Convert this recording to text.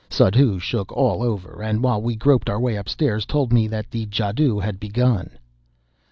Suddhoo shook all over, and while we groped our way upstairs told me that the jadoo had begun.